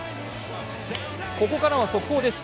ここからは速報です。